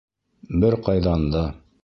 Бер ҡайҙан да...